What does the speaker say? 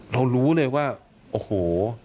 เรารู้เลยว่าโอ้โฮ